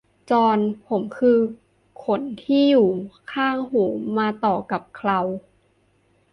จอนผมคือขนที่อยู่ข้างหูมาต่อกับเครา